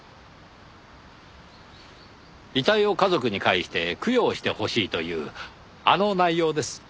遺体を家族に帰して供養してほしいというあの内容です。